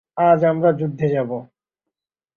আর কেউ তার হাত দিয়ে পাঠিয়ে দিয়েছে?